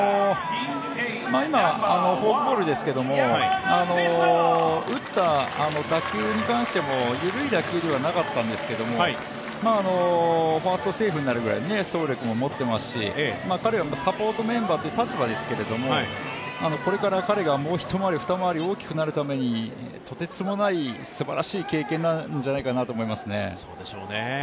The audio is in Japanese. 今、フォークボールですけど打った打球に関しても緩い打球ではなかったんですけど、ファーストセーフになるぐらいの走力は持っていますし、彼はサポートメンバーという立場ですけれども、これから彼がもう一回り、二回り大きくなるためにとてつもない、すばらしい経験じゃないかなと思いますね。